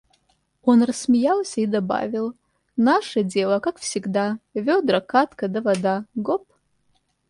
– Он рассмеялся и добавил: – Наше дело, как всегда: ведра, кадка да вода… Гоп!